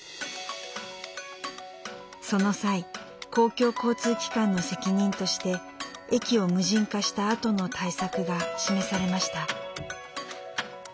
その際公共交通機関の責任として駅を無人化したあとの対策が示されました。